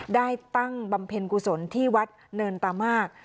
ตั้งบำเพ็ญกุศลที่วัดเนินตามาก